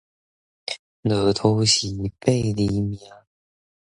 落土時，八字命